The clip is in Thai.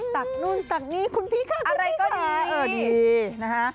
ตัดนู่นตัดนี่คุณพี่ค่ะคุณพี่ค่ะอะไรก็ดีนะฮะคุณพี่ค่ะ